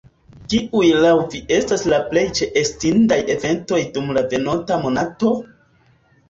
Kiuj laŭ vi estas la plej ĉeestindaj eventoj dum la venonta monato?